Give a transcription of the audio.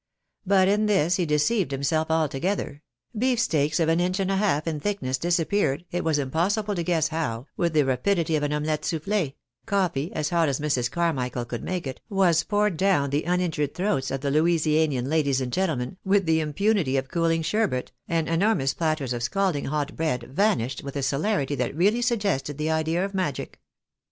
But in this he deceived himself altogether ; beefsteaks of an inch and a half in thickness disappeared, it was impossible to guess how, with the rapidity of an omelette souffl.ee ; coffee, as hot as Mrs. Carmichael could make it, was poured down the uninjured throats A VERY GREAT SECRET. of the Louisianian ladies and gentlemen, witli the impunity of cooling sherbet, and enormous platters of scalding hot bread vanished with a celerity that really suggested the idea of magic.